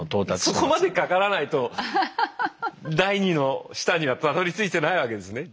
そこまでかからないと第二の舌にはたどりついてないわけですね。